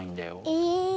え。